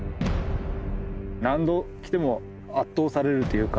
何度来ても圧倒されるというか